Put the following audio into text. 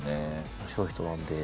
面白い人なんで。